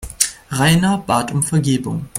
Rainer bat um Vergebung.